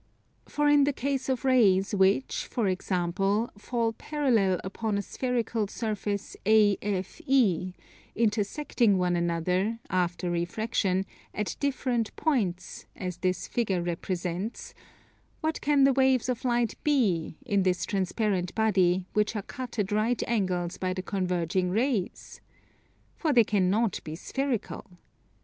For in the case of rays which, for example, fall parallel upon a spherical surface AFE, intersecting one another, after refraction, at different points, as this figure represents; what can the waves of light be, in this transparent body, which are cut at right angles by the converging rays? For they can not be spherical.